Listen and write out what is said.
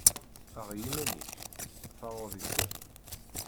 Aɣ i yiman-ik, taɣeḍ i ssuq.